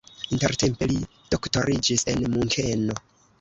Intertempe li doktoriĝis en Munkeno.